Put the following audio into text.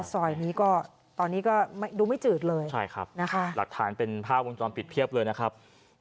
ซอยนี้ตอนนี้ก็ดูไม่จืดเลยหลักฐานเป็นภาพวงจรปิดเพียบเลยนะครับ